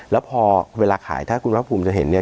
แล้วพอเวลาขายถ้าคุณภาคภูมิจะเห็นเนี่ย